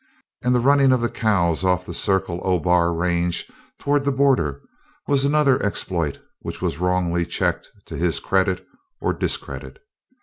And the running of the cows off the Circle O Bar range toward the border was another exploit which was wrongly checked to his credit or discredit.